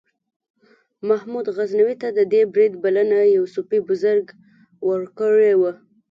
محمود غزنوي ته د دې برید بلنه یو صوفي بزرګ ورکړې وه.